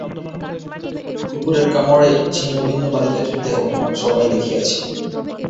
কুকুরের কামড়ে ছিন্নভিন্ন বালিকাটির দেহ আমরা সবাই দেখিয়াছি।